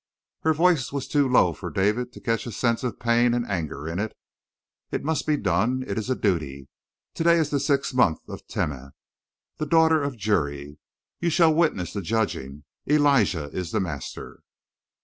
Her voice was too low for David to catch a sense of pain and anger in it. "It must be done. It is a duty. To day is the sixth month of Timeh, the daughter of Juri. You shall witness the judging. Elijah is the master."